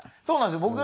そうなんですよ。